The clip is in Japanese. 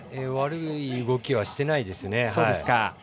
悪い動きはしてないですね。